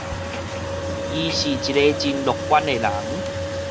伊是一个真樂觀的人